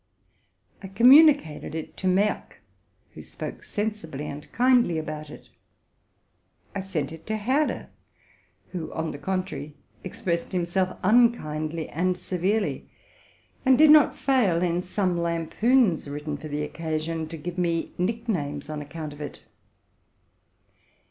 I com municated it to Merck, who spoke sensibly and kindly about it. I sent it to Herder, who, on the contrary, expressed himself unkindly and severely, and did not fail, in some lampoons written for the occasion, to give me nicknames on account of it.